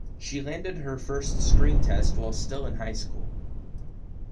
She landed her first screen test while still in high school.